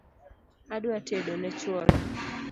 Adwa tedo ne chwora